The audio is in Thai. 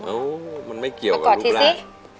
โอ้มันไม่เกี่ยวกับรูปร่าง